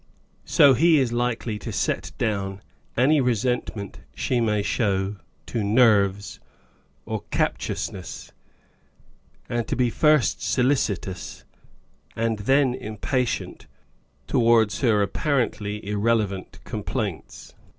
So he is likely to set down any resentment she may show to " nerves " or " captious ness "; and to be first solicitous, and then impatient, towards her apparently irrelevant complaints.